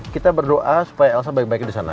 kita berdoa supaya elsa baik baik disana